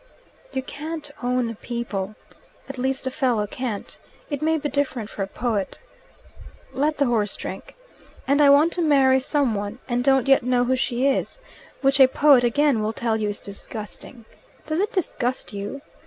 "You can't own people. At least a fellow can't. It may be different for a poet. (Let the horse drink.) And I want to marry some one, and don't yet know who she is, which a poet again will tell you is disgusting. Does it disgust you?